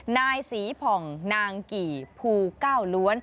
นายศรีผ่องนางกี่ภูเก้าล้วน